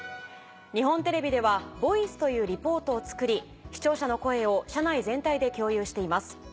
日本テレビではＶＯＩＣＥというリポートを作り視聴者の声を社内全体で共有しています。